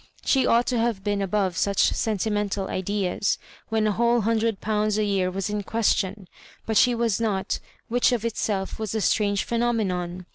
She ought to have been above such sentimental ideas when a whole hundred pounds a year was in question ; but she was not, which of itself was a strange phenomenon.